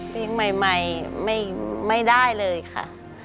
ปีใหม่ไม่ได้เลยค่ะ